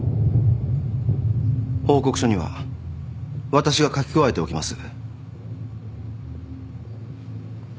報告書には私が書き加えておきます。